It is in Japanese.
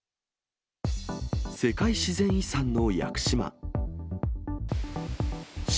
世界自然遺産の屋久島。